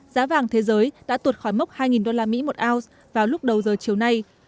giá vàng thế giới đã tuột khỏi mốc hai usd một ounce vào lúc đầu giờ chiều nay